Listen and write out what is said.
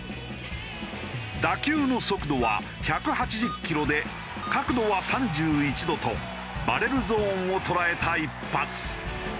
打球の速度は１８０キロで角度は３１度とバレルゾーンを捉えた一発。